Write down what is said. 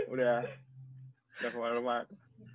udah udah kemarin lu banget